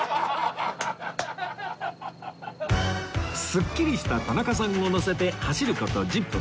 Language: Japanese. スッキリした田中さんを乗せて走る事１０分